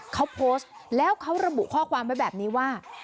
เขาโพสต์แล้วเขาระบุข้อความไว้แบบนี้ว่า